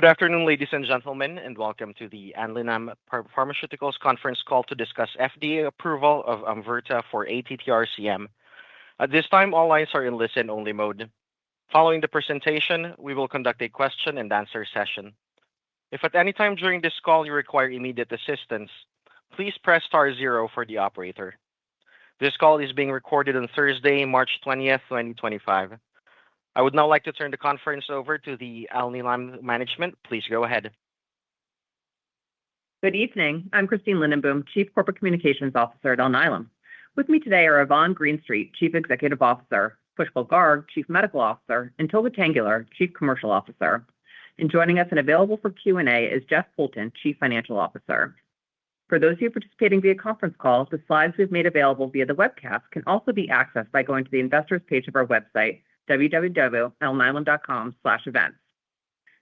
Good afternoon, ladies and gentlemen, and welcome to the Alnylam Pharmaceuticals conference call to discuss FDA approval of Amvuttra for ATTR-CM. At this time, all lines are in listen-only mode. Following the presentation, we will conduct a question-and-answer session. If at any time during this call you require immediate assistance, please press star zero for the operator. This call is being recorded on Thursday, March 20th, 2025. I would now like to turn the conference over to the Alnylam management. Please go ahead. Good evening. I'm Christine Lindenboom, Chief Corporate Communications Officer at Alnylam. With me today are Yvonne Greenstreet, Chief Executive Officer; Pushkal Garg, Chief Medical Officer; and Tolga Tanguler, Chief Commercial Officer. Joining us and available for Q&A is Jeff Poulton, Chief Financial Officer. For those of you participating via conference call, the slides we've made available via the webcast can also be accessed by going to the Investors page of our website, www.alnylam.com/events.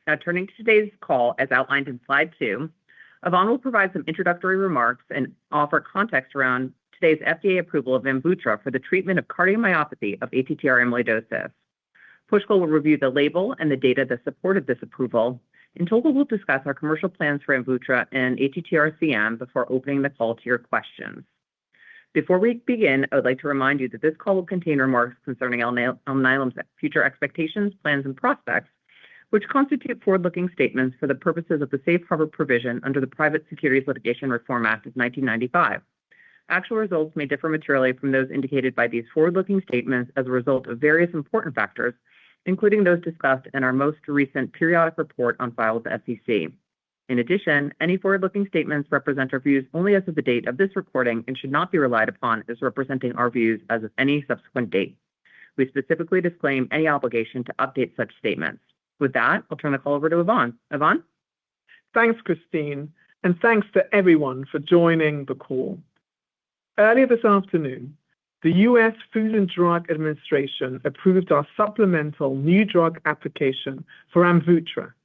Now, turning to today's call, as outlined in slide two, Yvonne will provide some introductory remarks and offer context around today's FDA approval of Amvuttra for the treatment of cardiomyopathy of ATTR amyloidosis. Pushkal will review the label and the data that supported this approval. Tolga will discuss our commercial plans for Amvuttra and ATTR-CM before opening the call to your questions. Before we begin, I would like to remind you that this call will contain remarks concerning Alnylam's future expectations, plans, and prospects, which constitute forward-looking statements for the purposes of the Safe Harbor Provision under the Private Securities Litigation Reform Act of 1995. Actual results may differ materially from those indicated by these forward-looking statements as a result of various important factors, including those discussed in our most recent periodic report on file with the SEC. In addition, any forward-looking statements represent our views only as of the date of this recording and should not be relied upon as representing our views as of any subsequent date. We specifically disclaim any obligation to update such statements. With that, I'll turn the call over to Yvonne. Yvonne? Thanks, Christine. Thanks to everyone for joining the call. Earlier this afternoon, the U.S. Food and Drug Administration approved our supplemental new drug application for Amvuttra for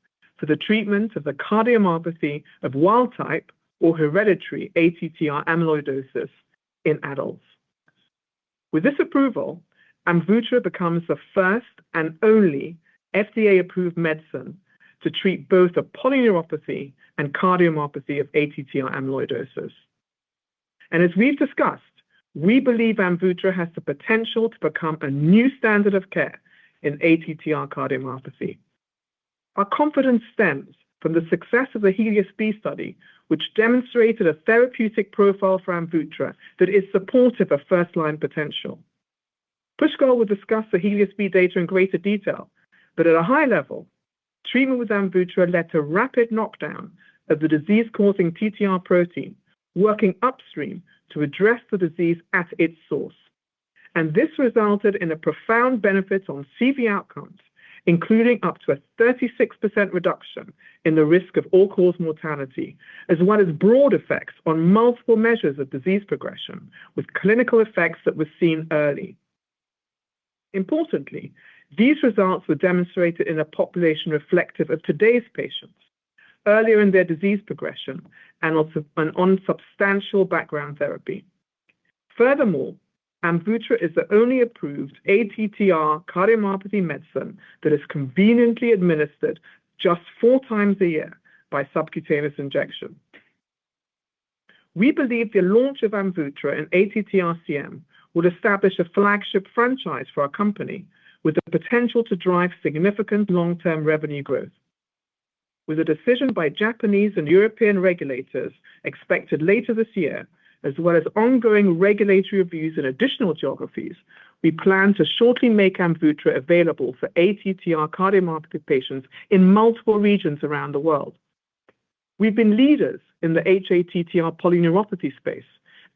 the treatment of the cardiomyopathy of wild-type or hereditary ATTR amyloidosis in adults. With this approval, Amvuttra becomes the first and only FDA-approved medicine to treat both polyneuropathy and cardiomyopathy of ATTR amyloidosis. As we've discussed, we believe Amvuttra has the potential to become a new standard of care in ATTR cardiomyopathy. Our confidence stems from the success of the HELIOS-B study, which demonstrated a therapeutic profile for Amvuttra that is supportive of first-line potential. Pushkal will discuss the HELIOS-B data in greater detail, but at a high level, treatment with Amvuttra led to rapid knockdown of the disease-causing TTR protein working upstream to address the disease at its source. This resulted in a profound benefit on CV outcomes, including up to a 36% reduction in the risk of all-cause mortality, as well as broad effects on multiple measures of disease progression, with clinical effects that were seen early. Importantly, these results were demonstrated in a population reflective of today's patients earlier in their disease progression and on substantial background therapy. Furthermore, Amvuttra is the only approved ATTR cardiomyopathy medicine that is conveniently administered just four times a year by subcutaneous injection. We believe the launch of Amvuttra in ATTR-CM would establish a flagship franchise for our company, with the potential to drive significant long-term revenue growth. With a decision by Japanese and European regulators expected later this year, as well as ongoing regulatory reviews in additional geographies, we plan to shortly make Amvuttra available for ATTR cardiomyopathy patients in multiple regions around the world. We've been leaders in the hATTR polyneuropathy space,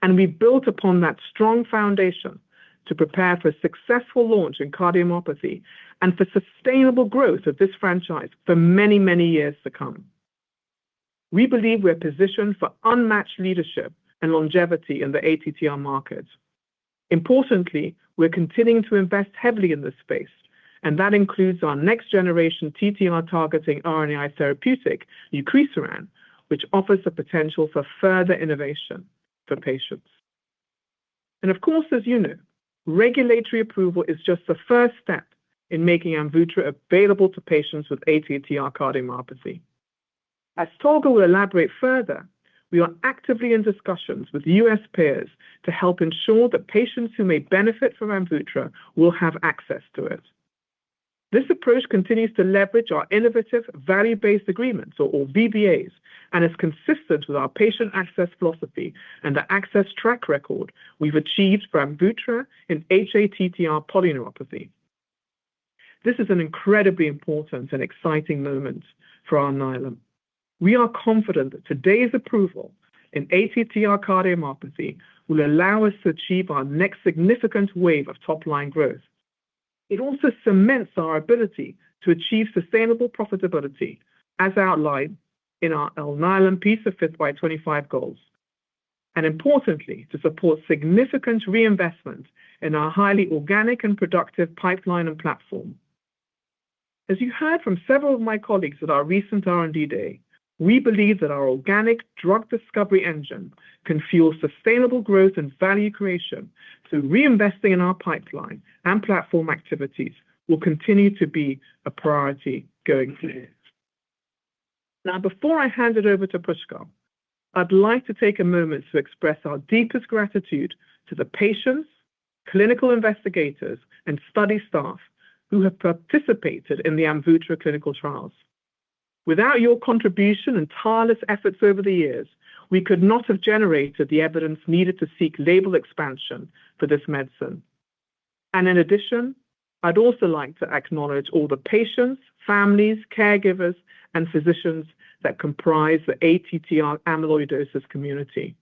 and we've built upon that strong foundation to prepare for a successful launch in cardiomyopathy and for sustainable growth of this franchise for many, many years to come. We believe we're positioned for unmatched leadership and longevity in the ATTR market. Importantly, we're continuing to invest heavily in this space, and that includes our next-generation TTR-targeting RNAi therapeutic, mivelsiran, which offers the potential for further innovation for patients. Of course, as you know, regulatory approval is just the first step in making Amvuttra available to patients with ATTR cardiomyopathy. As Tolga will elaborate further, we are actively in discussions with U.S. payers to help ensure that patients who may benefit from Amvuttra will have access to it. This approach continues to leverage our innovative value-based agreements, or VBAs, and is consistent with our patient access philosophy and the access track record we've achieved for Amvuttra in hATTR polyneuropathy. This is an incredibly important and exciting moment for our Alnylam. We are confident that today's approval in ATTR cardiomyopathy will allow us to achieve our next significant wave of top-line growth. It also cements our ability to achieve sustainable profitability, as outlined in our Alnylam P5x25 goals, and importantly, to support significant reinvestment in our highly organic and productive pipeline and platform. As you heard from several of my colleagues at our recent R&D day, we believe that our organic drug discovery engine can fuel sustainable growth and value creation, so reinvesting in our pipeline and platform activities will continue to be a priority going forward. Now, before I hand it over to Pushkal, I'd like to take a moment to express our deepest gratitude to the patients, clinical investigators, and study staff who have participated in the Amvuttra clinical trials. Without your contribution and tireless efforts over the years, we could not have generated the evidence needed to seek label expansion for this medicine. In addition, I'd also like to acknowledge all the patients, families, caregivers, and physicians that comprise the ATTR amyloidosis community.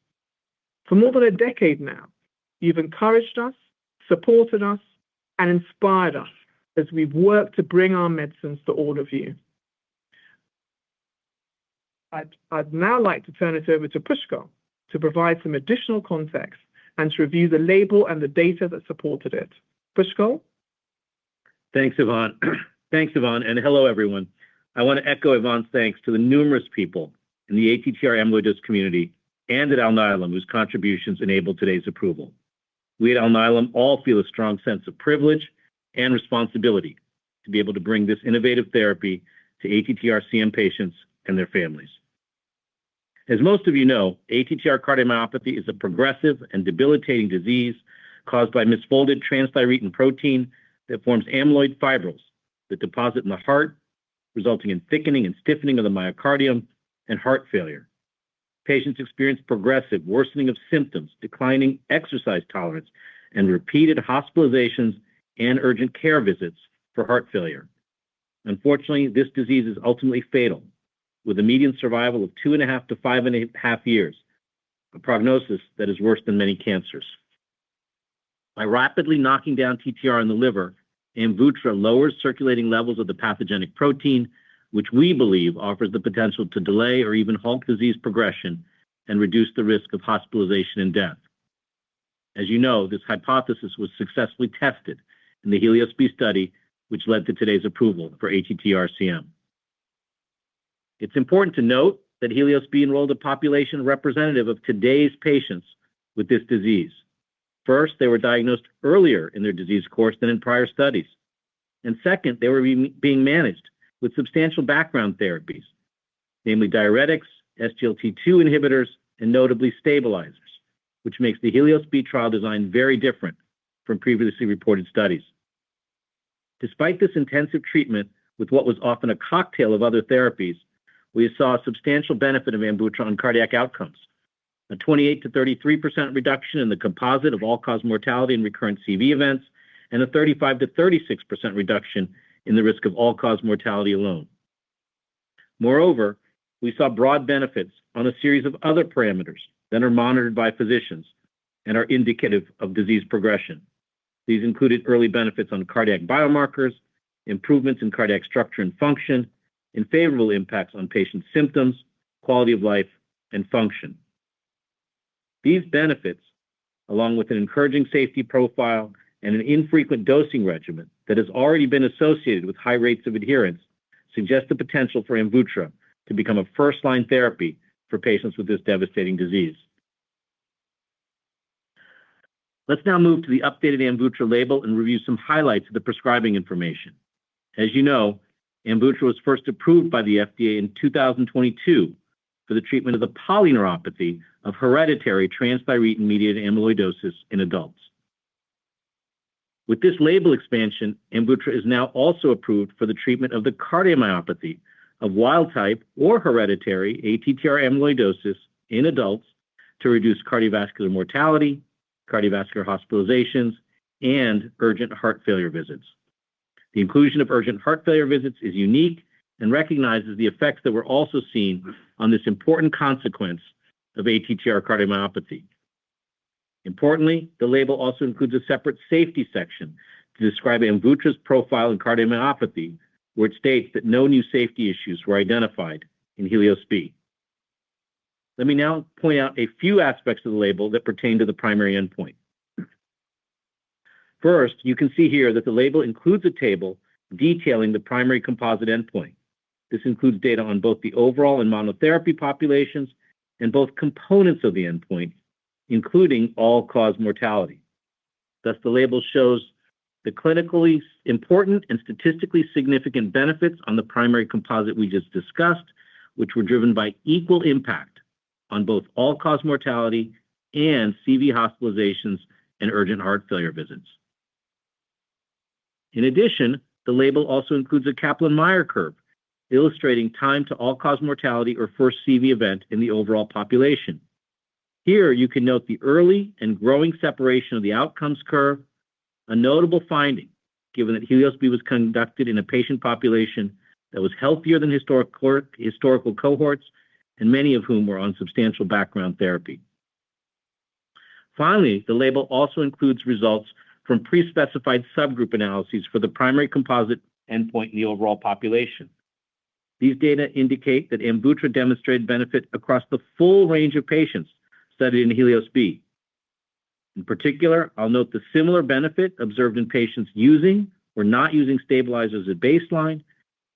For more than a decade now, you've encouraged us, supported us, and inspired us as we've worked to bring our medicines to all of you. I'd now like to turn it over to Pushkal to provide some additional context and to review the label and the data that supported it. Pushkal? Thanks, Yvonne. Hello, everyone. I want to echo Yvonne's thanks to the numerous people in the ATTR amyloidosis community and at Alnylam whose contributions enabled today's approval. We at Alnylam all feel a strong sense of privilege and responsibility to be able to bring this innovative therapy to ATTR-CM patients and their families. As most of you know, ATTR cardiomyopathy is a progressive and debilitating disease caused by misfolded transthyretin protein that forms amyloid fibrils that deposit in the heart, resulting in thickening and stiffening of the myocardium and heart failure. Patients experience progressive worsening of symptoms, declining exercise tolerance, and repeated hospitalizations and urgent care visits for heart failure. Unfortunately, this disease is ultimately fatal, with a median survival of two and a half to five and a half years, a prognosis that is worse than many cancers. By rapidly knocking down TTR in the liver, Amvuttra lowers circulating levels of the pathogenic protein, which we believe offers the potential to delay or even halt disease progression and reduce the risk of hospitalization and death. As you know, this hypothesis was successfully tested in the HELIOS-B study, which led to today's approval for ATTR-CM. It's important to note that HELIOS-B enrolled a population representative of today's patients with this disease. First, they were diagnosed earlier in their disease course than in prior studies. Second, they were being managed with substantial background therapies, namely diuretics, SGLT2 inhibitors, and notably stabilizers, which makes the HELIOS-B trial design very different from previously reported studies. Despite this intensive treatment with what was often a cocktail of other therapies, we saw a substantial benefit of Amvuttra on cardiac outcomes: a 28%-33% reduction in the composite of all-cause mortality and recurrent CV events, and a 35%-36% reduction in the risk of all-cause mortality alone. Moreover, we saw broad benefits on a series of other parameters that are monitored by physicians and are indicative of disease progression. These included early benefits on cardiac biomarkers, improvements in cardiac structure and function, and favorable impacts on patient symptoms, quality of life, and function. These benefits, along with an encouraging safety profile and an infrequent dosing regimen that has already been associated with high rates of adherence, suggest the potential for Amvuttra to become a first-line therapy for patients with this devastating disease. Let's now move to the updated Amvuttra label and review some highlights of the prescribing information. As you know, Amvuttra was first approved by the FDA in 2022 for the treatment of the polyneuropathy of hereditary transthyretin-mediated amyloidosis in adults. With this label expansion, Amvuttra is now also approved for the treatment of the cardiomyopathy of wild-type or hereditary ATTR amyloidosis in adults to reduce cardiovascular mortality, cardiovascular hospitalizations, and urgent heart failure visits. The inclusion of urgent heart failure visits is unique and recognizes the effects that were also seen on this important consequence of ATTR cardiomyopathy. Importantly, the label also includes a separate safety section to describe Amvuttra's profile in cardiomyopathy, where it states that no new safety issues were identified in HELIOS-B. Let me now point out a few aspects of the label that pertain to the primary endpoint. First, you can see here that the label includes a table detailing the primary composite endpoint. This includes data on both the overall and monotherapy populations and both components of the endpoint, including all-cause mortality. Thus, the label shows the clinically important and statistically significant benefits on the primary composite we just discussed, which were driven by equal impact on both all-cause mortality and CV hospitalizations and urgent heart failure visits. In addition, the label also includes a Kaplan-Meier curve illustrating time to all-cause mortality or first CV event in the overall population. Here, you can note the early and growing separation of the outcomes curve, a notable finding given that HELIOS-B was conducted in a patient population that was healthier than historical cohorts, and many of whom were on substantial background therapy. Finally, the label also includes results from pre-specified subgroup analyses for the primary composite endpoint in the overall population. These data indicate that Amvuttra demonstrated benefit across the full range of patients studied in HELIOS-B. In particular, I'll note the similar benefit observed in patients using or not using stabilizers at baseline,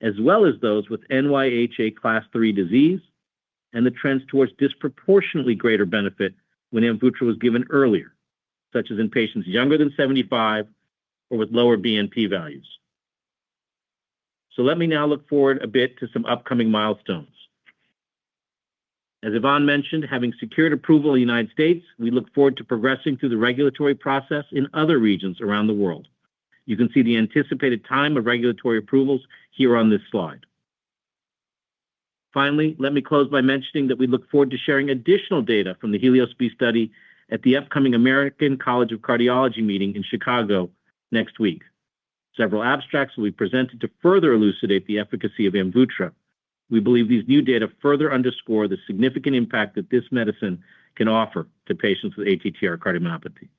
as well as those with NYHA Class III disease, and the trends towards disproportionately greater benefit when Amvuttra was given earlier, such as in patients younger than 75 or with lower BNP values. Let me now look forward a bit to some upcoming milestones. As Yvonne mentioned, having secured approval in the U.S., we look forward to progressing through the regulatory process in other regions around the world. You can see the anticipated time of regulatory approvals here on this slide. Finally, let me close by mentioning that we look forward to sharing additional data from the HELIOS-B study at the upcoming American College of Cardiology meeting in Chicago next week. Several abstracts will be presented to further elucidate the efficacy of Amvuttra. We believe these new data further underscore the significant impact that this medicine can offer to patients with ATTR cardiomyopathy.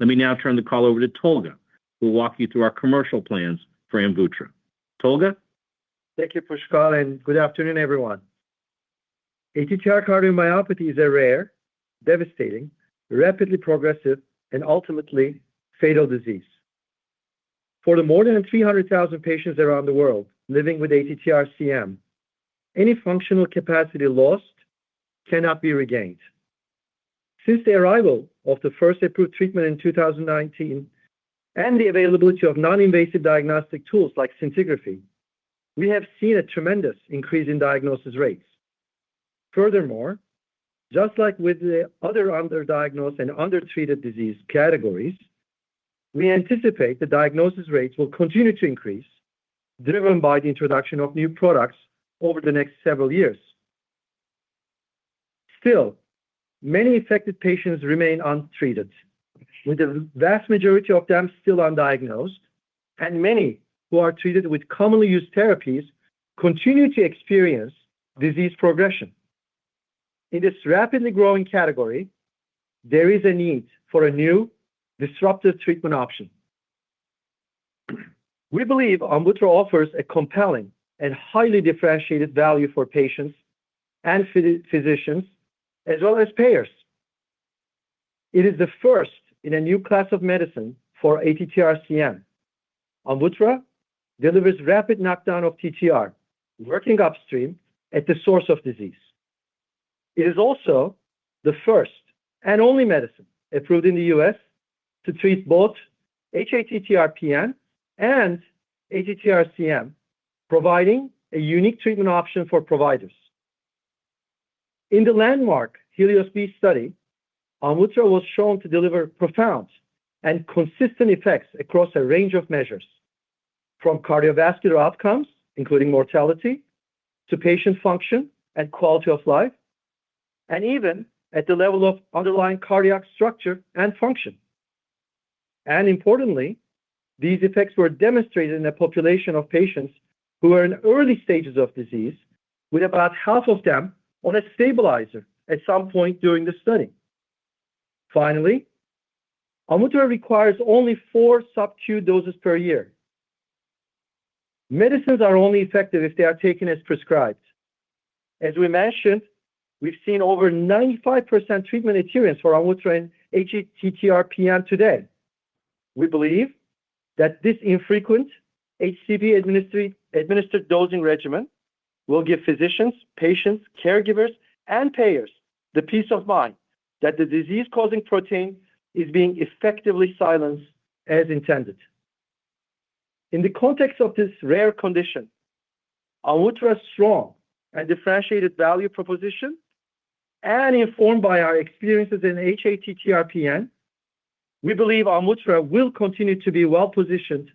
Let me now turn the call over to Tolga, who will walk you through our commercial plans for Amvuttra. Tolga? Thank you, Pushkal, and good afternoon, everyone. ATTR cardiomyopathy is a rare, devastating, rapidly progressive, and ultimately fatal disease. For the more than 300,000 patients around the world living with ATTR-CM, any functional capacity lost cannot be regained. Since the arrival of the first approved treatment in 2019 and the availability of non-invasive diagnostic tools like scintigraphy, we have seen a tremendous increase in diagnosis rates. Furthermore, just like with the other underdiagnosed and undertreated disease categories, we anticipate the diagnosis rates will continue to increase, driven by the introduction of new products over the next several years. Still, many affected patients remain untreated, with the vast majority of them still undiagnosed, and many who are treated with commonly used therapies continue to experience disease progression. In this rapidly growing category, there is a need for a new disruptive treatment option. We believe Amvuttra offers a compelling and highly differentiated value for patients and physicians, as well as payers. It is the first in a new class of medicine for ATTR-CM. Amvuttra delivers rapid knockdown of TTR, working upstream at the source of disease. It is also the first and only medicine approved in the U.S. to treat both hATTR-PN and ATTR-CM, providing a unique treatment option for providers. In the landmark HELIOS-B study, Amvuttra was shown to deliver profound and consistent effects across a range of measures, from cardiovascular outcomes, including mortality, to patient function and quality of life, and even at the level of underlying cardiac structure and function. Importantly, these effects were demonstrated in a population of patients who were in early stages of disease, with about half of them on a stabilizer at some point during the study. Finally, Amvuttra requires only four subQ doses per year. Medicines are only effective if they are taken as prescribed. As we mentioned, we've seen over 95% treatment adherence for Amvuttra and hATTR-PN today. We believe that this infrequent HCP-administered dosing regimen will give physicians, patients, caregivers, and payers the peace of mind that the disease-causing protein is being effectively silenced as intended. In the context of this rare condition, Amvuttra's strong and differentiated value proposition, and informed by our experiences in hATTR-PN, we believe Amvuttra will continue to be well-positioned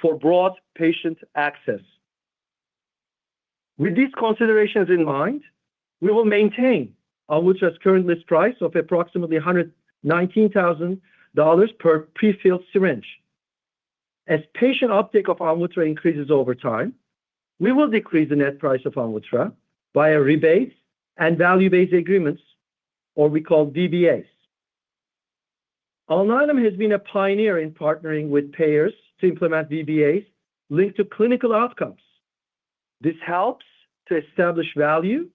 for broad patient access. With these considerations in mind, we will maintain Amvuttra's current list price of approximately $119,000 per prefilled syringe. As patient uptake of Amvuttra increases over time, we will decrease the net price of Amvuttra by a rebate and value-based agreements, or we call VBAs. Alnylam has been a pioneer in partnering with payers to implement VBAs linked to clinical outcomes. This helps to establish value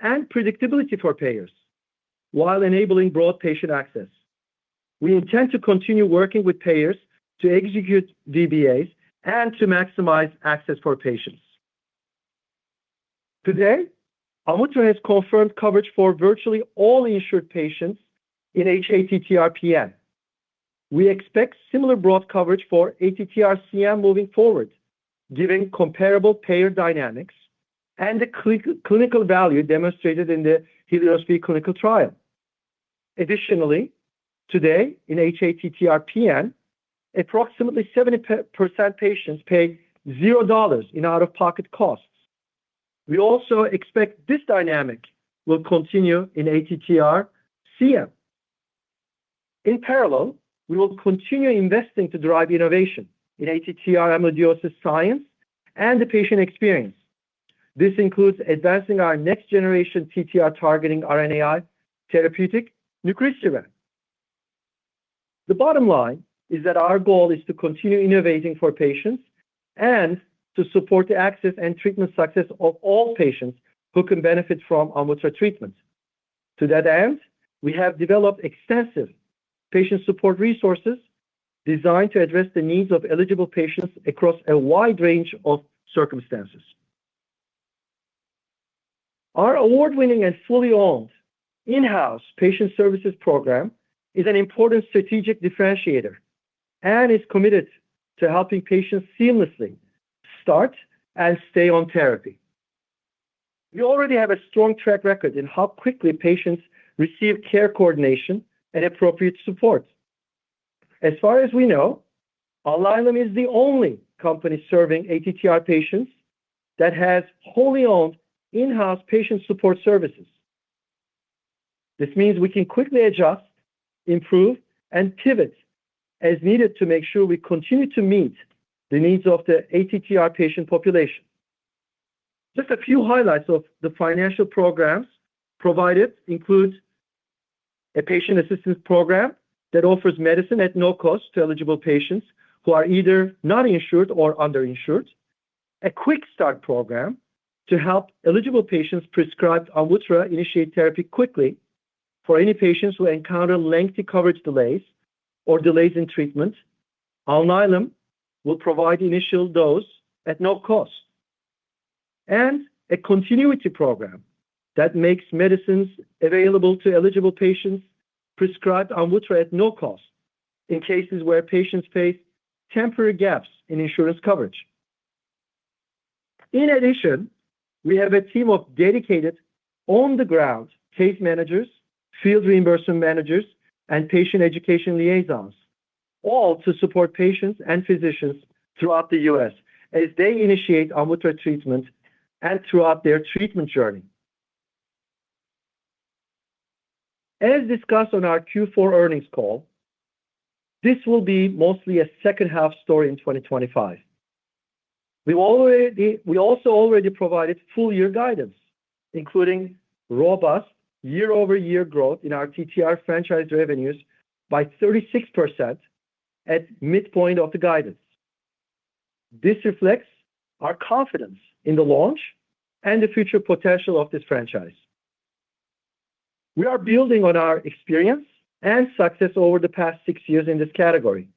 and predictability for payers while enabling broad patient access. We intend to continue working with payers to execute VBAs and to maximize access for patients. Today, Amvuttra has confirmed coverage for virtually all insured patients in hATTR-PN. We expect similar broad coverage for ATTR-CM moving forward, given comparable payer dynamics and the clinical value demonstrated in the HELIOS-B clinical trial. Additionally, today in hATTR-PN, approximately 70% of patients pay $0 in out-of-pocket costs. We also expect this dynamic will continue in ATTR-CM. In parallel, we will continue investing to drive innovation in ATTR amyloidosis science and the patient experience. This includes advancing our next-generation TTR-targeting RNAi therapeutic mivelsiran. The bottom line is that our goal is to continue innovating for patients and to support the access and treatment success of all patients who can benefit from Amvuttra treatment. To that end, we have developed extensive patient support resources designed to address the needs of eligible patients across a wide range of circumstances. Our award-winning and fully owned in-house patient services program is an important strategic differentiator and is committed to helping patients seamlessly start and stay on therapy. We already have a strong track record in how quickly patients receive care coordination and appropriate support. As far as we know, Alnylam is the only company serving ATTR patients that has wholly owned in-house patient support services. This means we can quickly adjust, improve, and pivot as needed to make sure we continue to meet the needs of the ATTR patient population. Just a few highlights of the financial programs provided include a patient assistance program that offers medicine at no cost to eligible patients who are either not insured or underinsured, a quick start program to help eligible patients prescribed Amvuttra initiate therapy quickly for any patients who encounter lengthy coverage delays or delays in treatment. Alnylam will provide the initial dose at no cost, and a continuity program that makes medicines available to eligible patients prescribed Amvuttra at no cost in cases where patients face temporary gaps in insurance coverage. In addition, we have a team of dedicated, on-the-ground case managers, field reimbursement managers, and patient education liaisons, all to support patients and physicians throughout the U.S. as they initiate Amvuttra treatment and throughout their treatment journey. As discussed on our Q4 earnings call, this will be mostly a second-half story in 2025. We also already provided full-year guidance, including robust year-over-year growth in our TTR franchise revenues by 36% at midpoint of the guidance. This reflects our confidence in the launch and the future potential of this franchise. We are building on our experience and success over the past six years in this category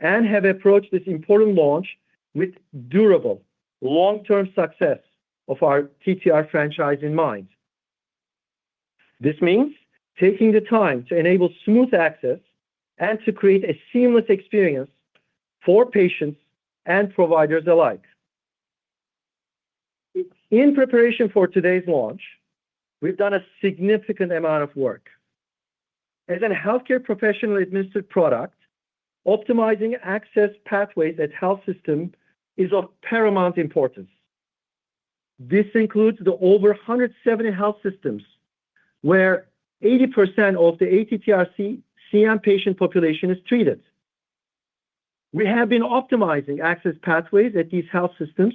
and have approached this important launch with durable, long-term success of our TTR franchise in mind. This means taking the time to enable smooth access and to create a seamless experience for patients and providers alike. In preparation for today's launch, we've done a significant amount of work. As a healthcare professionally administered product, optimizing access pathways at health systems is of paramount importance. This includes the over 170 health systems where 80% of the ATTR-CM patient population is treated. We have been optimizing access pathways at these health systems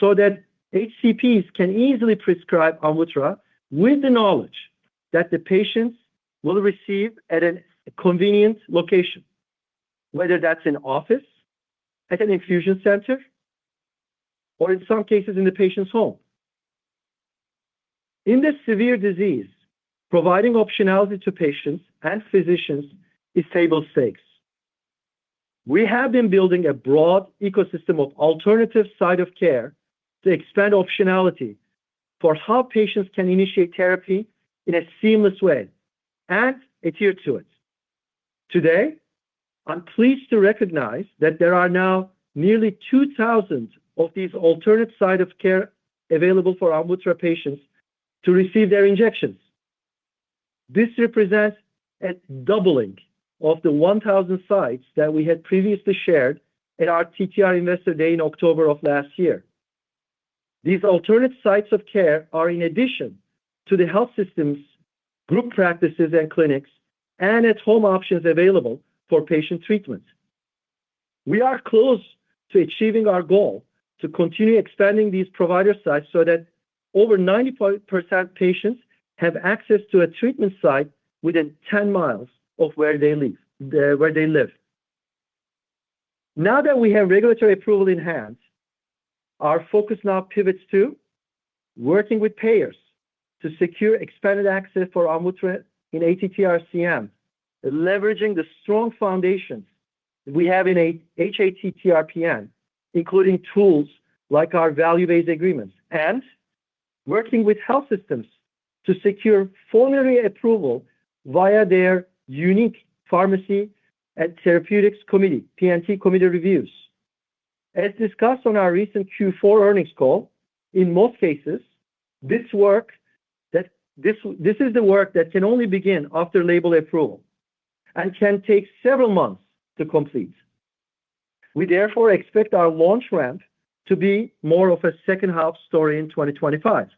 so that HCPs can easily prescribe Amvuttra with the knowledge that the patients will receive at a convenient location, whether that's in office, at an infusion center, or in some cases in the patient's home. In this severe disease, providing optionality to patients and physicians is table stakes. We have been building a broad ecosystem of alternative sites of care to expand optionality for how patients can initiate therapy in a seamless way and adhere to it. Today, I'm pleased to recognize that there are now nearly 2,000 of these alternate sites of care available for Amvuttra patients to receive their injections. This represents a doubling of the 1,000 sites that we had previously shared at our TTR Investor Day in October of last year. These alternate sites of care are in addition to the health systems, group practices, and clinics, and at-home options available for patient treatment. We are close to achieving our goal to continue expanding these provider sites so that over 95% of patients have access to a treatment site within 10 miles of where they live. Now that we have regulatory approval in hand, our focus now pivots to working with payers to secure expanded access for Amvuttra in ATTR-CM, leveraging the strong foundations we have in hATTR-PN, including tools like our value-based agreements, and working with health systems to secure formal approval via their unique pharmacy and therapeutics committee, P&T Committee reviews. As discussed on our recent Q4 earnings call, in most cases, this is the work that can only begin after label approval and can take several months to complete. We therefore expect our launch ramp to be more of a second-half story in 2025.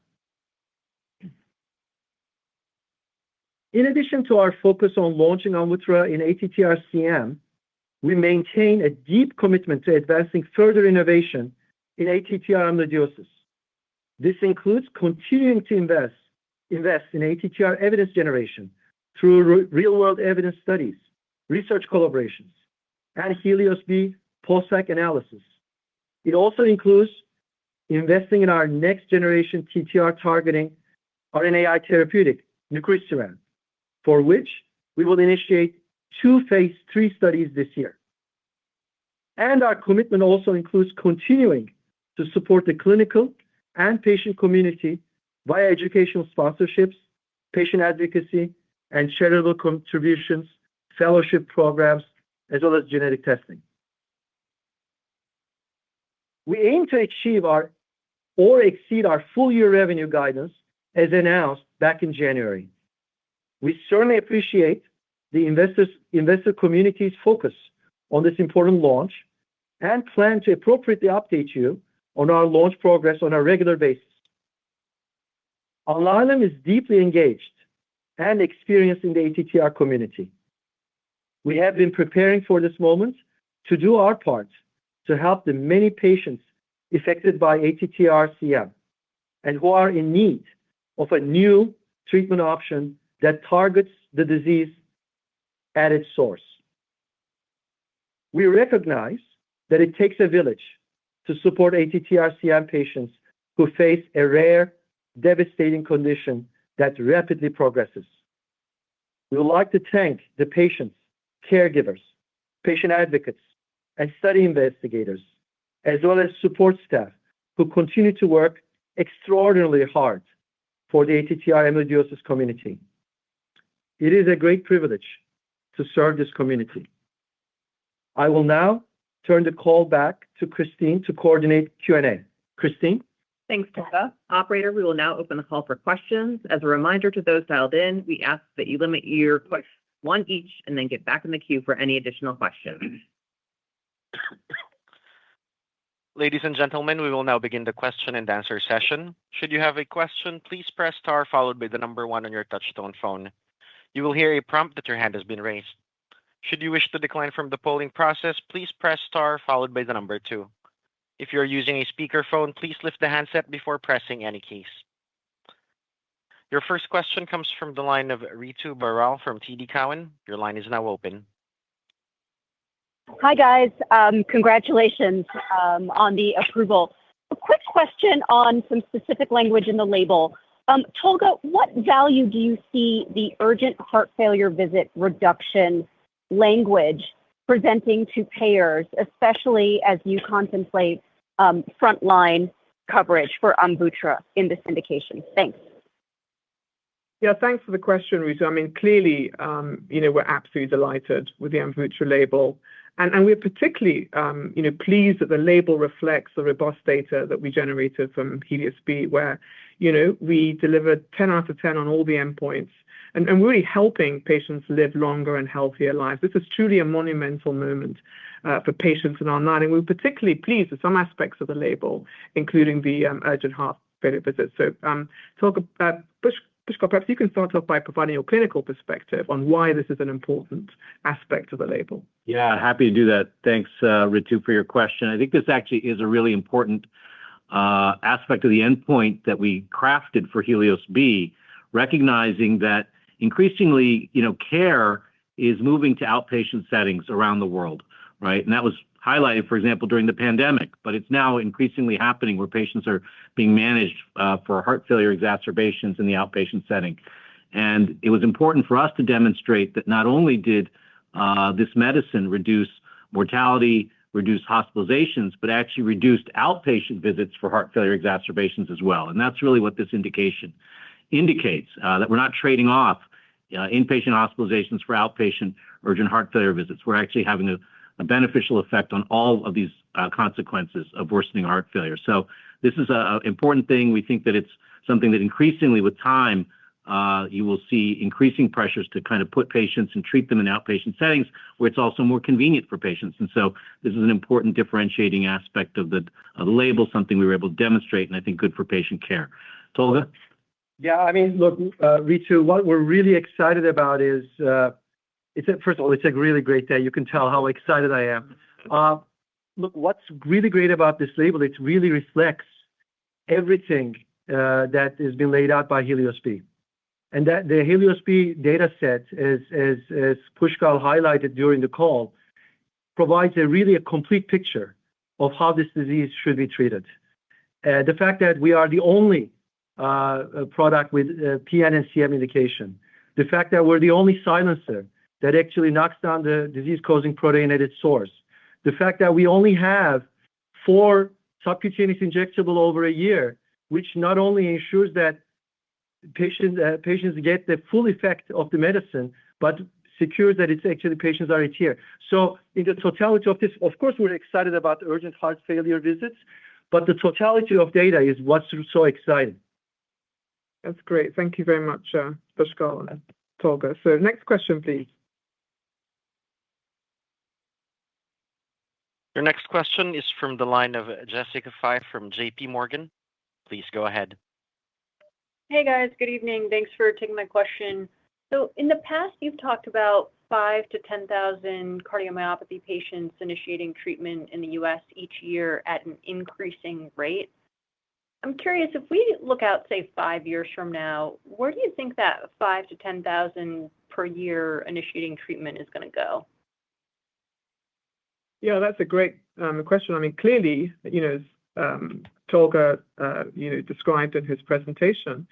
In addition to our focus on launching Amvuttra in ATTR-CM, we maintain a deep commitment to advancing further innovation in ATTR amyloidosis. This includes continuing to invest in ATTR evidence generation through real-world evidence studies, research collaborations, and HELIOS-B post-hoc analysis. It also includes investing in our next-generation TTR targeting RNAi therapeutic mivelsiran, for which we will initiate two phase three studies this year. Our commitment also includes continuing to support the clinical and patient community via educational sponsorships, patient advocacy, and charitable contributions, fellowship programs, as well as genetic testing. We aim to achieve or exceed our full-year revenue guidance as announced back in January. We certainly appreciate the investor community's focus on this important launch and plan to appropriately update you on our launch progress on a regular basis. Alnylam is deeply engaged and experienced in the ATTR community. We have been preparing for this moment to do our part to help the many patients affected by ATTR-CM and who are in need of a new treatment option that targets the disease at its source. We recognize that it takes a village to support ATTR-CM patients who face a rare, devastating condition that rapidly progresses. We would like to thank the patients, caregivers, patient advocates, and study investigators, as well as support staff who continue to work extraordinarily hard for the ATTR amyloidosis community. It is a great privilege to serve this community. I will now turn the call back to Christine to coordinate Q&A. Christine. Thanks, Tolga. Operator, we will now open the call for questions. As a reminder to those dialed in, we ask that you limit your questions to one each and then get back in the queue for any additional questions. Ladies and gentlemen, we will now begin the question and answer session. Should you have a question, please press star followed by the number one on your touch-tone phone. You will hear a prompt that your hand has been raised. Should you wish to decline from the polling process, please press star followed by the number two. If you are using a speakerphone, please lift the handset before pressing any keys. Your first question comes from the line of Ritu Baral from TD Cowen. Your line is now open. Hi, guys. Congratulations on the approval. A quick question on some specific language in the label. Tolga, what value do you see the urgent heart failure visit reduction language presenting to payers, especially as you contemplate frontline coverage for Amvuttra in this indication? Thanks. Yeah, thanks for the question, Ritu. I mean, clearly, we're absolutely delighted with the Amvuttra label. And we're particularly pleased that the label reflects the robust data that we generated from HELIOS-B, where we delivered 10 out of 10 on all the endpoints and really helping patients live longer and healthier lives. This is truly a monumental moment for patients in Alnylam. We're particularly pleased with some aspects of the label, including the urgent heart failure visit. Tolga, Pushkal, perhaps you can start off by providing your clinical perspective on why this is an important aspect of the label. Yeah, happy to do that. Thanks, Ritu, for your question. I think this actually is a really important aspect of the endpoint that we crafted for HELIOS-B, recognizing that increasingly care is moving to outpatient settings around the world. That was highlighted, for example, during the pandemic, but it's now increasingly happening where patients are being managed for heart failure exacerbations in the outpatient setting. It was important for us to demonstrate that not only did this medicine reduce mortality, reduce hospitalizations, but actually reduced outpatient visits for heart failure exacerbations as well. That is really what this indication indicates, that we're not trading off inpatient hospitalizations for outpatient urgent heart failure visits. We're actually having a beneficial effect on all of these consequences of worsening heart failure. This is an important thing. We think that it's something that increasingly, with time, you will see increasing pressures to kind of put patients and treat them in outpatient settings where it's also more convenient for patients. This is an important differentiating aspect of the label, something we were able to demonstrate, and I think good for patient care. Tolga. Yeah, I mean, look, Ritu, what we're really excited about is, first of all, it's a really great day. You can tell how excited I am. Look, what's really great about this label, it really reflects everything that has been laid out by HELIOS-B. The HELIOS-B data set, as Pushkal highlighted during the call, provides really a complete picture of how this disease should be treated. The fact that we are the only product with PN and CM indication, the fact that we're the only silencer that actually knocks down the disease-causing protein at its source, the fact that we only have four subcutaneous injectables over a year, which not only ensures that patients get the full effect of the medicine, but secures that it's actually patients are adhered. In the totality of this, of course, we're excited about urgent heart failure visits, but the totality of data is what's so exciting. That's great. Thank you very much, Pushkal and Tolga. Next question, please. Your next question is from the line of Jessica Fye from JPMorgan. Please go ahead. Hey, guys. Good evening. Thanks for taking my question. In the past, you've talked about 5,000-10,000 cardiomyopathy patients initiating treatment in the U.S. each year at an increasing rate. I'm curious, if we look out, say, five years from now, where do you think that 5,000-10,000 per year initiating treatment is going to go? Yeah, that's a great question. I mean, clearly, as Tolga described in his presentation,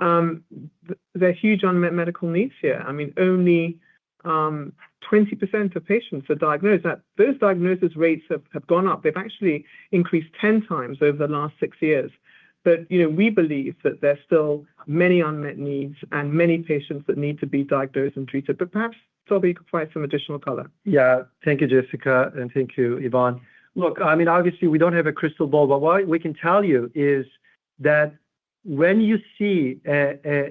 there are huge unmet medical needs here. I mean, only 20% of patients are diagnosed. Those diagnosis rates have gone up. They've actually increased 10 times over the last six years. We believe that there are still many unmet needs and many patients that need to be diagnosed and treated. Perhaps, Tolga, you could provide some additional color. Yeah, thank you, Jessica, and thank you, Yvonne. Look, I mean, obviously, we don't have a crystal ball, but what we can tell you is that when you see,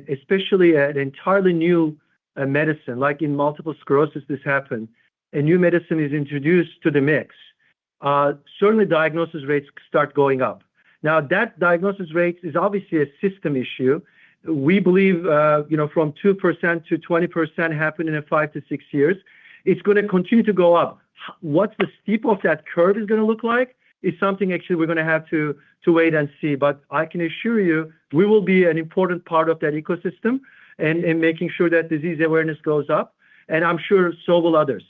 especially an entirely new medicine, like in multiple sclerosis, this happened, a new medicine is introduced to the mix, certainly diagnosis rates start going up. Now, that diagnosis rate is obviously a system issue. We believe from 2% to 20% happened in five to six years. It's going to continue to go up. What the steep of that curve is going to look like is something actually we're going to have to wait and see. I can assure you, we will be an important part of that ecosystem and making sure that disease awareness goes up. I'm sure so will others.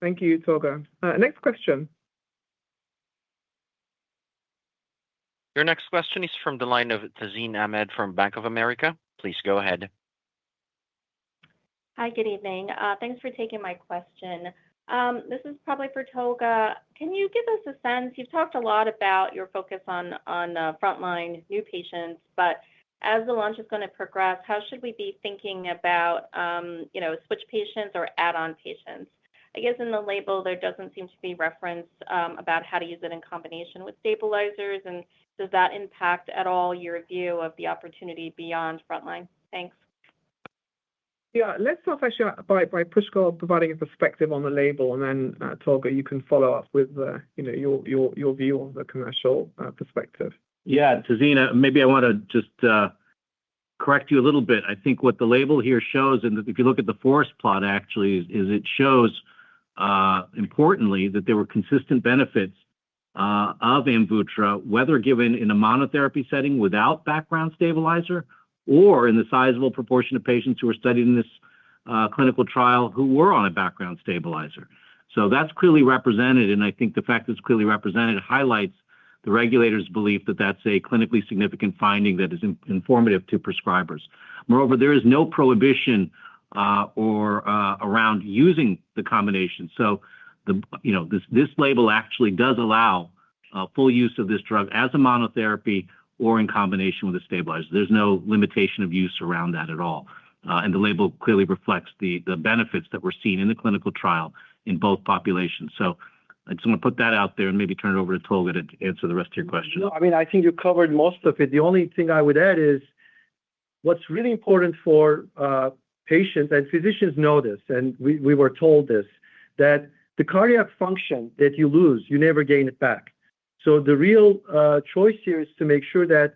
Thank you, Tolga. Next question. Your next question is from the line of Tazeen Ahmad from Bank of America. Please go ahead. Hi, good evening. Thanks for taking my question. This is probably for Tolga. Can you give us a sense? You've talked a lot about your focus on frontline new patients, but as the launch is going to progress, how should we be thinking about switch patients or add-on patients? I guess in the label, there doesn't seem to be reference about how to use it in combination with stabilizers. Does that impact at all your view of the opportunity beyond frontline? Thanks. Yeah, let's start by Pushkal providing a perspective on the label. Then, Tolga, you can follow up with your view on the commercial perspective. Yeah, Tazeen, maybe I want to just correct you a little bit. I think what the label here shows, and if you look at the forest plot, actually, is it shows importantly that there were consistent benefits of Amvuttra, whether given in a monotherapy setting without background stabilizer or in the sizable proportion of patients who were studied in this clinical trial who were on a background stabilizer. That is clearly represented. I think the fact that it is clearly represented highlights the regulator's belief that that is a clinically significant finding that is informative to prescribers. Moreover, there is no prohibition around using the combination. This label actually does allow full use of this drug as a monotherapy or in combination with a stabilizer. There is no limitation of use around that at all. The label clearly reflects the benefits that were seen in the clinical trial in both populations. I just want to put that out there and maybe turn it over to Tolga to answer the rest of your question. I mean, I think you covered most of it. The only thing I would add is what's really important for patients, and physicians know this, and we were told this, that the cardiac function that you lose, you never gain it back. The real choice here is to make sure that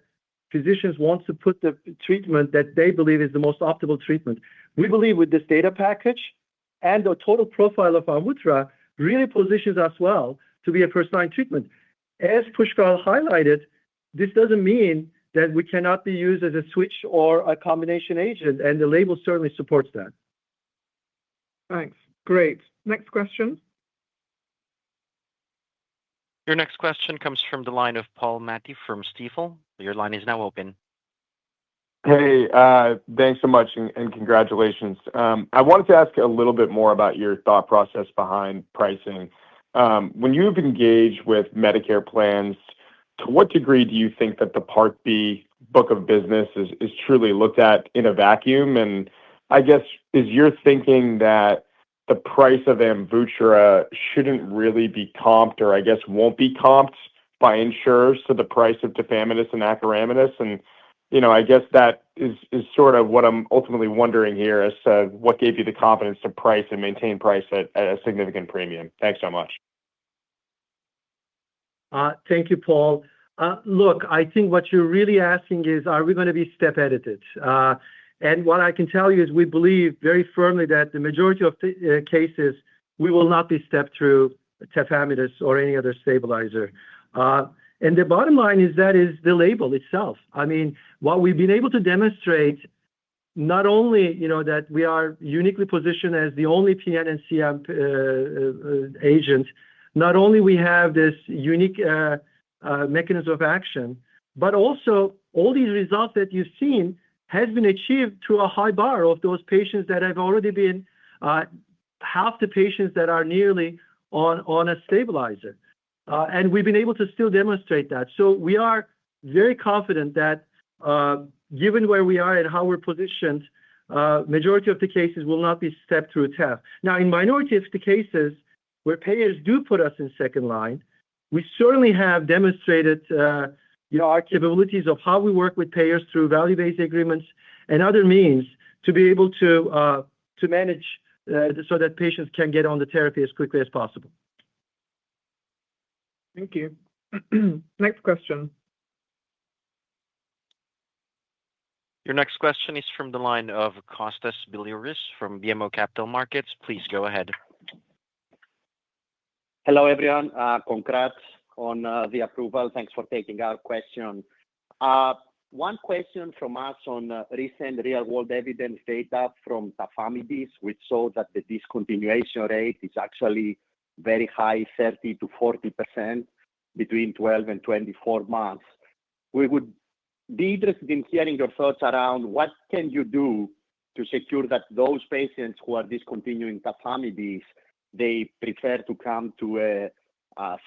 physicians want to put the treatment that they believe is the most optimal treatment. We believe with this data package and the total profile of Amvuttra really positions us well to be a first-line treatment. As Pushkal highlighted, this does not mean that we cannot be used as a switch or a combination agent. The label certainly supports that. Thanks. Great. Next question. Your next question comes from the line of Paul Matteis from Stifel. Your line is now open. Hey, thanks so much and congratulations. I wanted to ask a little bit more about your thought process behind pricing. When you've engaged with Medicare plans, to what degree do you think that the Part B book of business is truly looked at in a vacuum? I guess, is your thinking that the price of Amvuttra shouldn't really be comped or, I guess, won't be comped by insurers to the price of tafamidis and acoramidis? I guess that is sort of what I'm ultimately wondering here is what gave you the confidence to price and maintain price at a significant premium? Thanks so much. Thank you, Paul. Look, I think what you're really asking is, are we going to be step-edited? What I can tell you is we believe very firmly that the majority of cases, we will not be stepped through tafamidis or any other stabilizer. The bottom line is that is the label itself. I mean, what we've been able to demonstrate, not only that we are uniquely positioned as the only PNNCM agent, not only do we have this unique mechanism of action, but also all these results that you've seen have been achieved through a high bar of those patients that have already been half the patients that are nearly on a stabilizer. We've been able to still demonstrate that. We are very confident that given where we are and how we're positioned, the majority of the cases will not be stepped through tafamidis. Now, in the minority of the cases where payers do put us in second line, we certainly have demonstrated our capabilities of how we work with payers through value-based agreements and other means to be able to manage so that patients can get on the therapy as quickly as possible. Thank you. Next question. Your next question is from the line of Kostas Biliouris from BMO Capital Markets. Please go ahead. Hello, everyone. Congrats on the approval. Thanks for taking our question. One question from us on recent real-world evidence data from tafamidis, which showed that the discontinuation rate is actually very high, 30%-40% between 12 and 24 months. We would be interested in hearing your thoughts around what can you do to secure that those patients who are discontinuing tafamidis, they prefer to come to a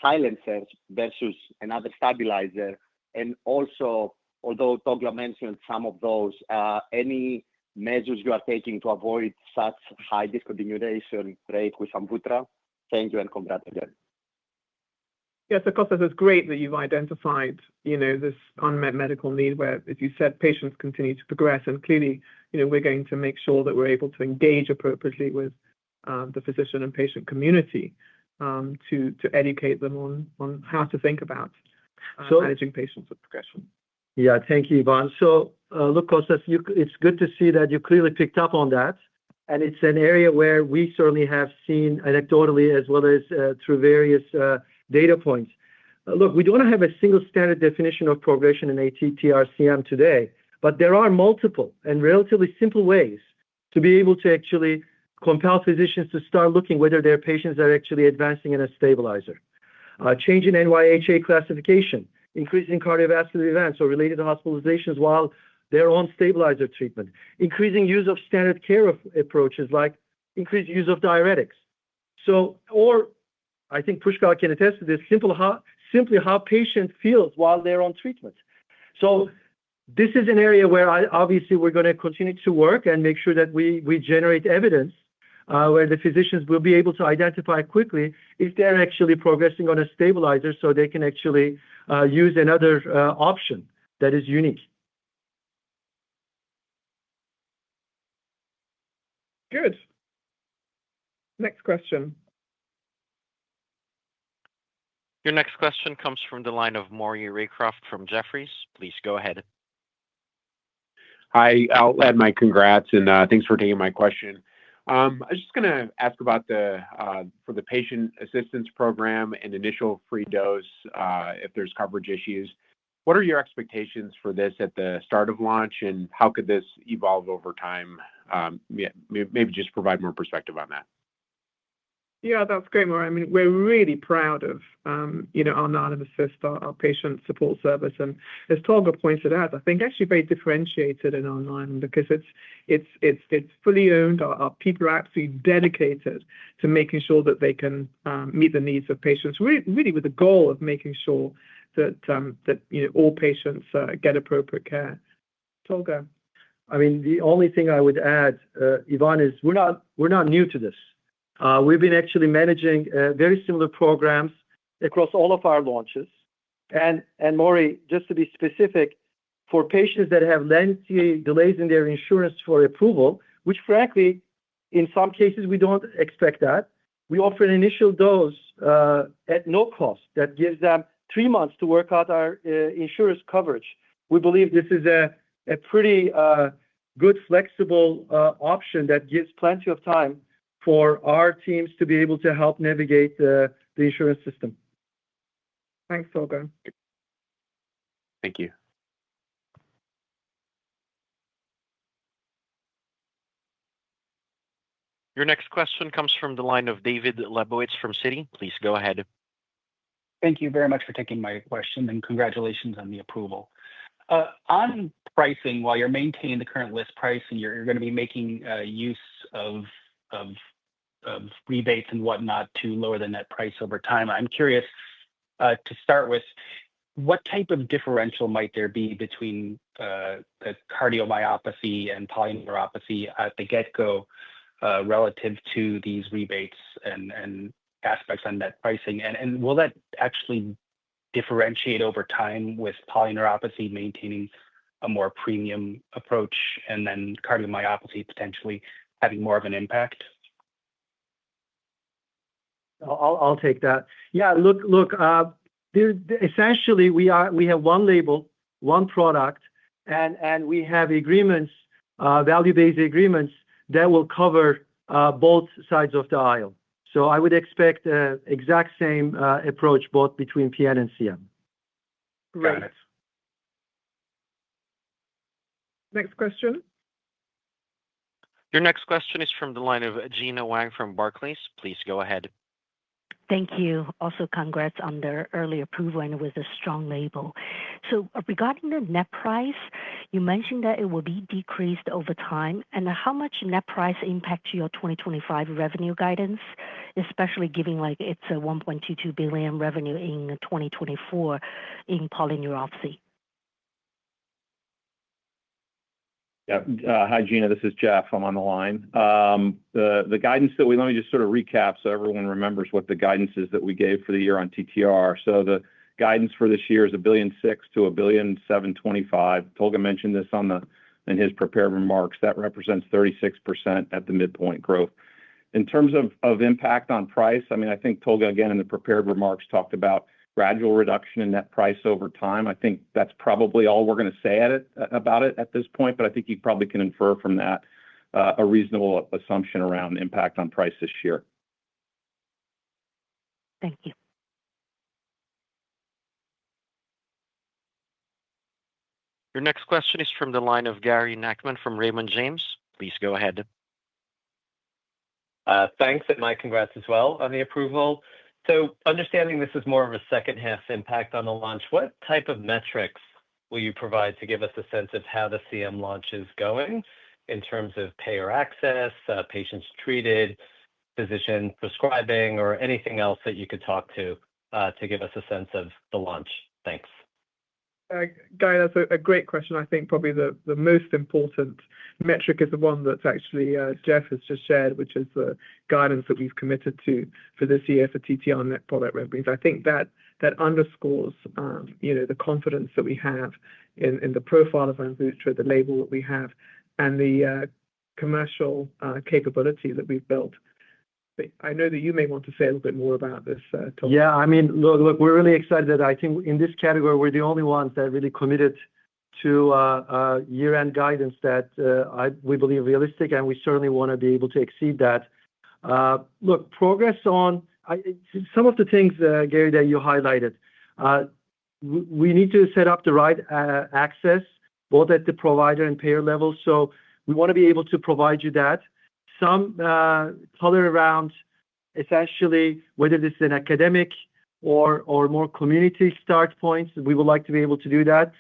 silencer versus another stabilizer. Also, although Tolga mentioned some of those, any measures you are taking to avoid such high discontinuation rate with Amvuttra? Thank you and congrats again. Yes, of course, it's great that you've identified this unmet medical need where, as you said, patients continue to progress. Clearly, we're going to make sure that we're able to engage appropriately with the physician and patient community to educate them on how to think about managing patients with progression. Yeah, thank you, Yvonne. Look, Kostas, it's good to see that you clearly picked up on that. It's an area where we certainly have seen anecdotally as well as through various data points. Look, we don't have a single standard definition of progression in ATTR-CM today, but there are multiple and relatively simple ways to be able to actually compel physicians to start looking whether their patients are actually advancing in a stabilizer. Change in NYHA classification, increasing cardiovascular events or related hospitalizations while they're on stabilizer treatment, increasing use of standard care approaches like increased use of diuretics. I think Pushkal can attest to this, simply how patients feel while they're on treatment. This is an area where obviously we're going to continue to work and make sure that we generate evidence where the physicians will be able to identify quickly if they're actually progressing on a stabilizer so they can actually use another option that is unique. Good. Next question. Your next question comes from the line of Maury Raycroft from Jefferies. Please go ahead. Hi, I'll add my congrats and thanks for taking my question. I'm just going to ask about the patient assistance program and initial free dose if there's coverage issues. What are your expectations for this at the start of launch and how could this evolve over time? Maybe just provide more perspective on that. Yeah, that's great, Maury. I mean, we're really proud of our Alnylam Assist, our patient support service. And as Tolga pointed out, I think actually very differentiated in our Alnylam because it's fully owned. Our people are absolutely dedicated to making sure that they can meet the needs of patients, really with the goal of making sure that all patients get appropriate care. Tolga. I mean, the only thing I would add, Yvonne, is we're not new to this. We've been actually managing very similar programs across all of our launches. Maury, just to be specific, for patients that have lengthy delays in their insurance for approval, which frankly, in some cases, we do not expect that, we offer an initial dose at no cost that gives them three months to work out our insurance coverage. We believe this is a pretty good, flexible option that gives plenty of time for our teams to be able to help navigate the insurance system. Thanks, Tolga. Thank you. Your next question comes from the line of David Lebowitz from Citi. Please go ahead. Thank you very much for taking my question and congratulations on the approval. On pricing, while you're maintaining the current list price and you're going to be making use of rebates and whatnot to lower the net price over time, I'm curious to start with, what type of differential might there be between cardiomyopathy and polyneuropathy at the get-go relative to these rebates and aspects on net pricing? Will that actually differentiate over time with polyneuropathy maintaining a more premium approach and then cardiomyopathy potentially having more of an impact? I'll take that. Yeah, look, essentially, we have one label, one product, and we have agreements, value-based agreements that will cover both sides of the aisle. I would expect the exact same approach both between PNNCM. Great. Next question. Your next question is from the line of Gena Wang from Barclays. Please go ahead. Thank you. Also, congrats on the early approval and it was a strong label. Regarding the net price, you mentioned that it will be decreased over time. How much does net price impact your 2025 revenue guidance, especially given it is a $1.22 billion revenue in 2024 in polyneuropathy? Hi, Gena, this is Jeff. I'm on the line. The guidance that we, let me just sort of recap so everyone remembers what the guidance is that we gave for the year on TTR. The guidance for this year is $1.6 billion-$1.725 billion. Tolga mentioned this in his prepared remarks. That represents 36% at the midpoint growth. In terms of impact on price, I mean, I think Tolga, again, in the prepared remarks talked about gradual reduction in net price over time. I think that's probably all we're going to say about it at this point, but I think you probably can infer from that a reasonable assumption around impact on price this year. Thank you. Your next question is from the line of Gary Nachman from Raymond James. Please go ahead. Thanks. And my congrats as well on the approval. Understanding this is more of a second-half impact on the launch, what type of metrics will you provide to give us a sense of how the CM launch is going in terms of payer access, patients treated, physician prescribing, or anything else that you could talk to to give us a sense of the launch? Thanks. Gary, that's a great question. I think probably the most important metric is the one that actually Jeff has just shared, which is the guidance that we've committed to for this year for TTR net product revenues. I think that underscores the confidence that we have in the profile of Amvuttra, the label that we have, and the commercial capability that we've built. I know that you may want to say a little bit more about this, Tolga? Yeah, I mean, look, we're really excited that I think in this category, we're the only ones that really committed to year-end guidance that we believe is realistic, and we certainly want to be able to exceed that. Look, progress on some of the things, Gary, that you highlighted, we need to set up the right access both at the provider and payer level. We want to be able to provide you that. Some color around essentially whether this is an academic or more community start points, we would like to be able to do that.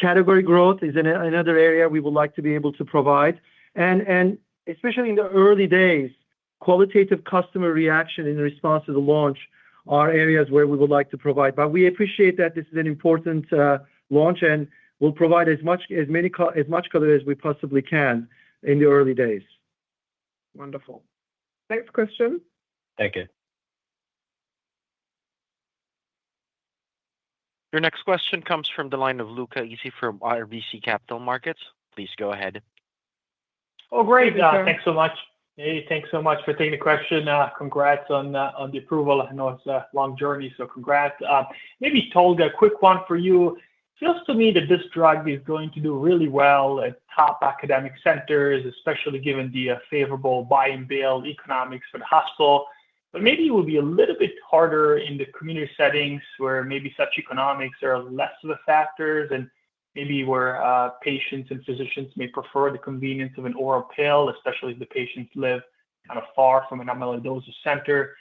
Category growth is another area we would like to be able to provide. Especially in the early days, qualitative customer reaction in response to the launch are areas where we would like to provide. We appreciate that this is an important launch and we'll provide as much color as we possibly can in the early days. Wonderful. Next question. Thank you. Your next question comes from the line of Luca Issi from RBC Capital Markets. Please go ahead. Oh, great. Thanks so much. Hey, thanks so much for taking the question. Congrats on the approval. I know it's a long journey, so congrats. Maybe Tolga, a quick one for you. It feels to me that this drug is going to do really well at top academic centers, especially given the favorable buy-and-bill economics for the hospital. Maybe it will be a little bit harder in the community settings where maybe such economics are less of a factor and maybe where patients and physicians may prefer the convenience of an oral pill, especially if the patients live kind of far from an amyloidosis center.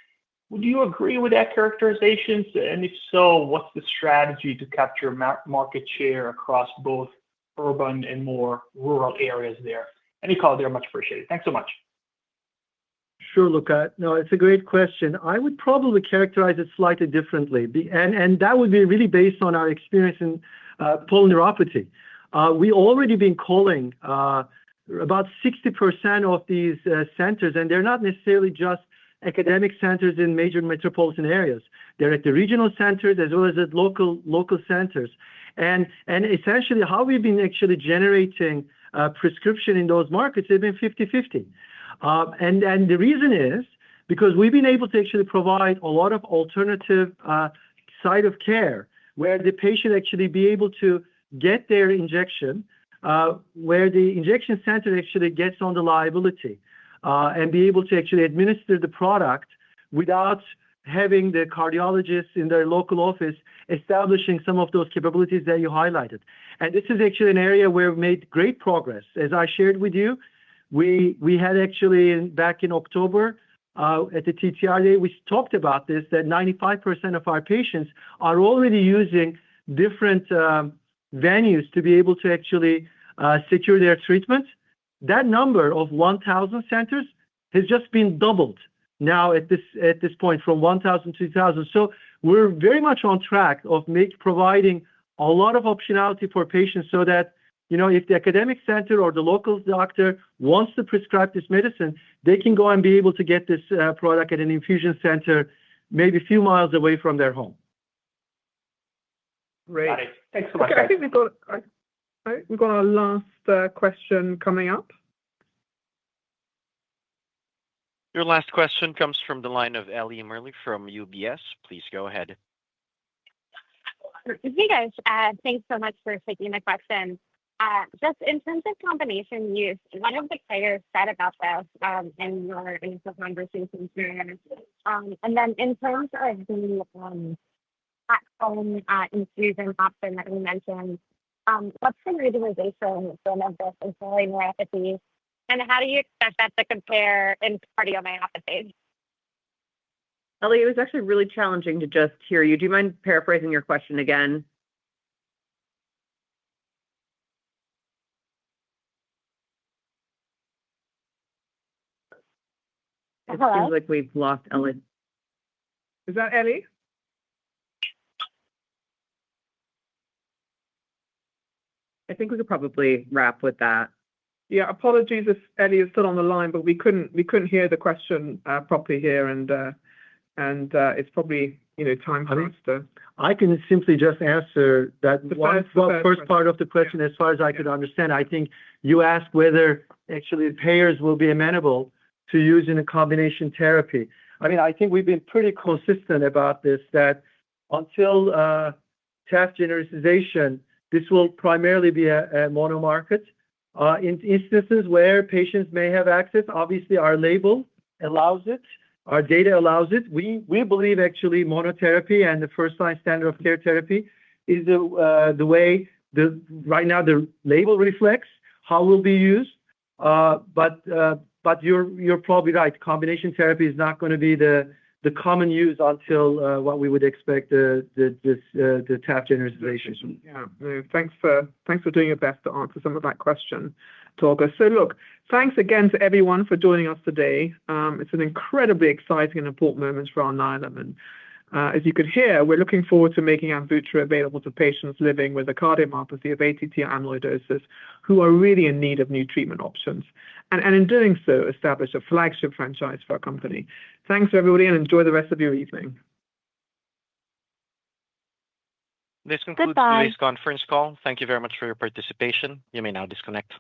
Would you agree with that characterization? If so, what's the strategy to capture market share across both urban and more rural areas there? Any comment? They're much appreciated. Thanks so much. Sure, Luca. No, it's a great question. I would probably characterize it slightly differently. That would be really based on our experience in polyneuropathy. We've already been calling about 60% of these centers, and they're not necessarily just academic centers in major metropolitan areas. They're at the regional centers as well as at local centers. Essentially, how we've been actually generating prescription in those markets has been 50/50. The reason is because we've been able to actually provide a lot of alternative site of care where the patient actually is able to get their injection, where the injection center actually gets on the liability, and is able to actually administer the product without having the cardiologist in their local office establishing some of those capabilities that you highlighted. This is actually an area where we've made great progress. As I shared with you, we had actually back in October at the TTR Day, we talked about this, that 95% of our patients are already using different venues to be able to actually secure their treatment. That number of 1,000 centers has just been doubled now at this point from 1,000 to 2,000. We are very much on track of providing a lot of optionality for patients so that if the academic center or the local doctor wants to prescribe this medicine, they can go and be able to get this product at an infusion center maybe a few miles away from their home. Great. Thanks so much. Okay, I think we have our last question coming up. Your last question comes from the line of Ellie Merle from UBS. Please go ahead. Hey, guys. Thanks so much for taking the question. Just in terms of combination use, one of the payers said about this in your initial conversation here. In terms of the platform infusion option that we mentioned, what's the utilization for Amvuttra polyneuropathy? How do you expect that to compare in cardiomyopathy? Ellie, it was actually really challenging to just hear you. Do you mind paraphrasing your question again? It seems like we've lost Ellie. Is that Ellie? I think we could probably wrap with that. Yeah, apologies if Ellie is still on the line, but we couldn't hear the question properly here, and it's probably time for us to. I can simply just answer that first part of the question as far as I could understand. I think you asked whether actually payers will be amenable to using a combination therapy. I mean, I think we've been pretty consistent about this that until TTR genericization, this will primarily be a mono market. In instances where patients may have access, obviously our label allows it, our data allows it. We believe actually monotherapy and the first-line standard of care therapy is the way right now the label reflects how it will be used. You're probably right. Combination therapy is not going to be the common use until what we would expect the TTR genericization. Yeah. Thanks for doing your best to answer some of that question, Tolga. Thanks again to everyone for joining us today. It's an incredibly exciting and important moment for Alnylam. As you could hear, we're looking forward to making Amvuttra available to patients living with a cardiomyopathy of ATTR amyloidosis who are really in need of new treatment options. In doing so, establish a flagship franchise for our company. Thanks to everybody and enjoy the rest of your evening. This concludes today's conference call. Thank you very much for your participation. You may now disconnect.